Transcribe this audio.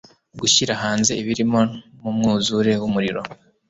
gushyira hanze ibirimo mumwuzure wumuriro